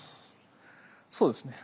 そうですね。